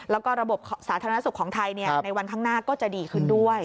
แล้วก็ระบบสาธารณสุขของไทยในวันข้างหน้าก็จะดีขึ้นด้วย